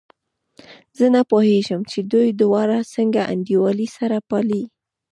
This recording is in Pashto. زه نه پوهېږم چې دوی دواړه څنګه انډيوالي سره پالي.